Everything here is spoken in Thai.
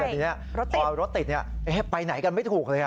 แต่ทีนี้พอรถติดไปไหนกันไม่ถูกเลย